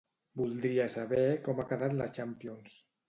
Voldria saber com ha quedat la Champions.